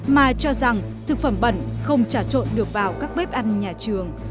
mà cho rằng thực phẩm bẩn không trả trộn được vào các bếp ăn nhà trường